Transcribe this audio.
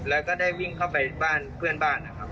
แล้วก็ได้วิ่งเข้าไปบ้านเพื่อนบ้านนะครับ